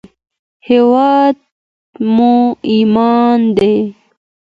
هېواد مو ایمان دی